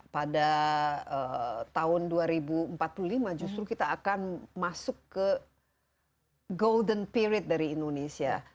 pada tahun dua ribu empat puluh lima justru kita akan masuk ke golden period dari indonesia